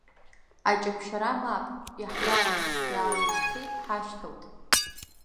Аҷаԥшьара мап, иаҳуалым, иаалашьцеит ҳашьҭалт.